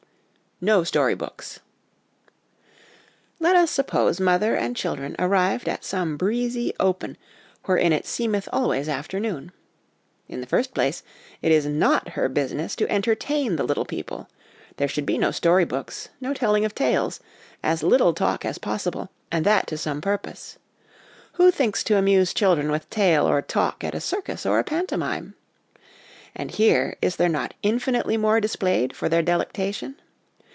No Story Books. Let us suppose mother and children arrived at some breezy open "wherein it seemeth always afternoon." In the first place, it is not her business to entertain the little people : there should be no story books, no telling of tales, as little talk as possible, and that to some purpose. Who thinks to amuse children with tale or talk at a circus or a pantomime ? And here, is there not infinitely more displayed for their delectation